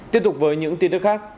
tiếp tục với những tin tức khác